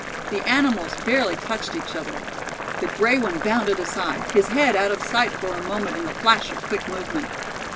The animals barely touched each other. The gray one bounded aside, his head out of sight for a moment in the flash of quick movement.